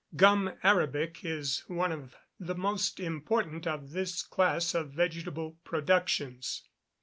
Gum Arabic is one of the most important of this class of vegetable productions.